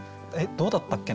どうだったっけな